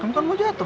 kamu kan mau jatuh